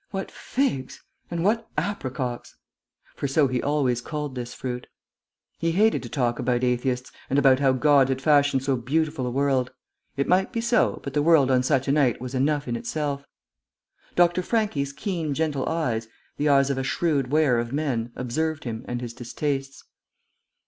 What figs! And what apricocks!" (for so he always called this fruit). He hated to talk about atheists, and about how God had fashioned so beautiful a world. It might be so, but the world, on such a night, was enough in itself. Dr. Franchi's keen, gentle eyes, the eyes of a shrewd weigher of men, observed him and his distastes.